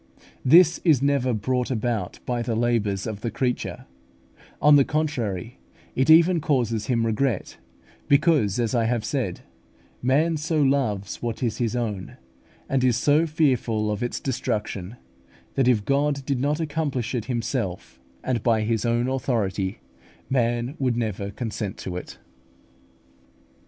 This is never brought about by the labours of the creature; on the contrary, it even causes him regret, because, as I have said, man so loves what is his own, and is so fearful of its destruction, that if God did not accomplish it Himself, and by His own authority, man would never consent to it.